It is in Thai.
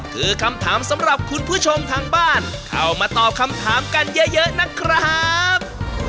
คือคำถามสำหรับคุณผู้ชมทางบ้านเข้ามาตอบคำถามกันเยอะนะครับ